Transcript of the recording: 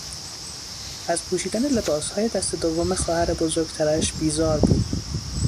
از پوشیدن لباسهای دست دوم خواهر بزرگترش بیزار بود.